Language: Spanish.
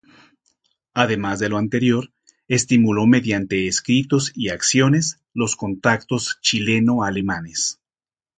Además de lo anterior, estimuló mediante escritos y acciones los contactos chileno-alemanes.